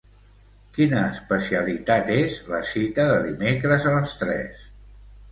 Quina especialitat és la cita de dimecres a les tres?